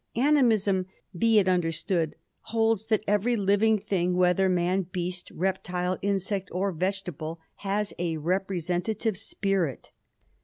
Animism, be it understood, holds that every living thing, whether man, beast, reptile, insect, or vegetable, has a representative spirit.